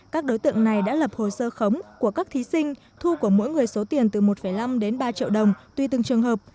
các đối tượng này đã lập hồ sơ khống của các thí sinh thu của mỗi người số tiền từ một năm đến ba triệu đồng tùy từng trường hợp